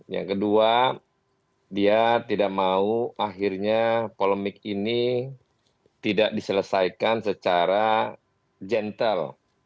yang kedua dia tidak mau akhirnya polemik ini tidak diselesaikan secara gentle